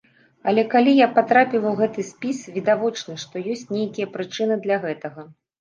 Але калі я патрапіла ў гэты спіс, відавочна, што ёсць нейкія прычыны для гэтага.